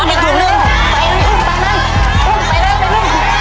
มัดเร็วลูก